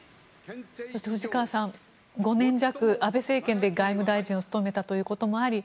そして藤川さん５年弱、安倍政権で外務大臣を務めたということもあり